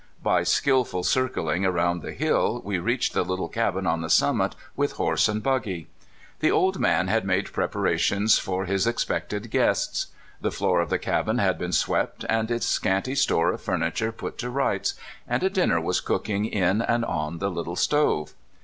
By skillful circling around the hill, we reached the little cabin on the summit with horse and buggy. The old man had made preparations for his expected guests. The floor of the cabin had been swept, and its scanty store of furniture put to rights, and a dinner was cooking in and on the little stove.